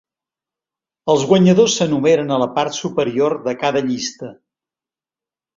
Els guanyadors s'enumeren a la part superior de cada llista.